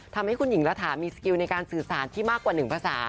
ทำให้คุณหญิงระถามีสกิลในการสื่อสารที่มากกว่าหนึ่งภาษา